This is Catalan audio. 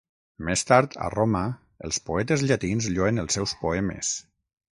Més tard, a Roma, els poetes llatins lloen els seus poemes.